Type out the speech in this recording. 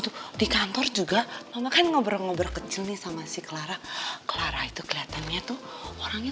tuh di kantor juga lama kan ngobrol ngobrol kecil nih sama si clara clara itu kelihatannya tuh orangnya